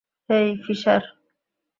হেই, fisher.